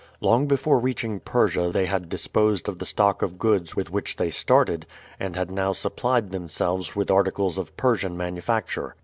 Long before reaching Persia they had disposed of the stock of goods with which they started, and had now supplied themselves with articles of Persian manufacture.